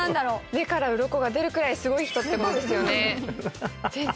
目からウロコが出るくらいすごい人ってことですよね？